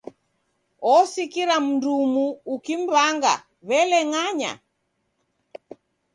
Osikira mndumu ukim'mbanga, w'ele ng'anya!